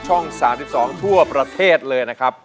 ช่อง๓๒ทั่วประเทศเลยนะครับ